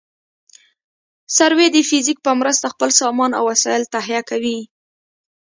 سروې د فزیک په مرسته خپل سامان او وسایل تهیه کوي